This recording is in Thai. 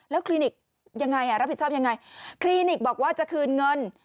คลินิกยังไงรับผิดชอบยังไงคลินิกบอกว่าจะคืนเงิน